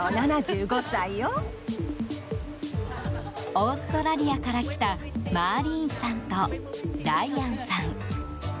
オーストラリアから来たマーリーンさんとダイアンさん。